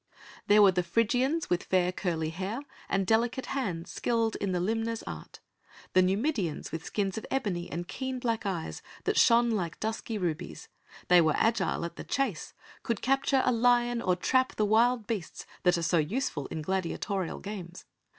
There were the Phrygians with fair curly hair and delicate hands skilled in the limner's art; the Numidians with skins of ebony and keen black eyes that shone like dusky rubies; they were agile at the chase, could capture a lion or trap the wild beasts that are so useful in gladiatorial games.